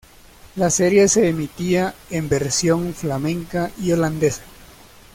La serie se emitía en versión flamenca y holandesa.